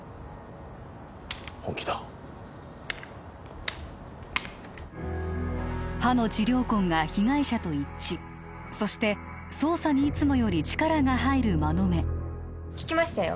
本気だ歯の治療痕が被害者と一致そして捜査にいつもより力が入る馬目聞きましたよ